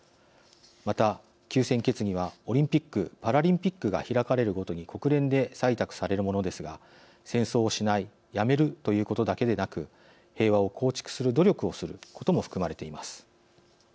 また、休戦決議はオリンピック・パラリンピックが開かれるごとに国連で採択されるものですが戦争をしない・やめるということだけでなく平和を構築する努力をすることも含まれています。